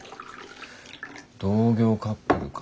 同業カップルか。